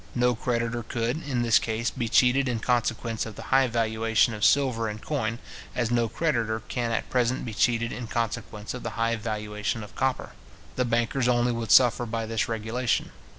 No creditor could, in this case, be cheated in consequence of the high valuation of silver in coin; as no creditor can at present be cheated in consequence of the high valuation of copper. The bankers only would suffer by this regulation.